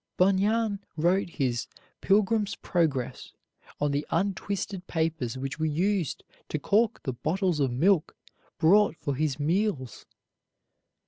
Bunyan wrote his "Pilgrim's Progress" on the untwisted papers which were used to cork the bottles of milk brought for his meals.